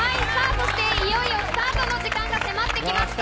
いよいよスタートの時間が迫ってきました。